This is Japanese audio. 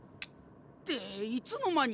っていつの間に！？